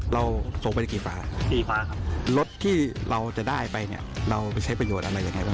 เราส่งไปได้กี่ฟ้าครับรถที่เราจะได้ไปเราใช้ประโยชน์อะไรอย่างไร